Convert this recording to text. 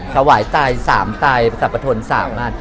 สวายทัย๓ไตรสับตน๓ร้าน